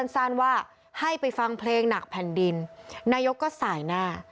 สั้นว่าให้ไปฟังเพลงหนักแผ่นดินนายกก็สายหน้า